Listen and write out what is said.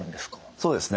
そうですね。